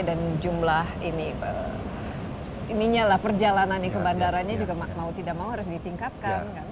dan jumlah perjalanan ke bandaranya mau tidak mau harus ditingkatkan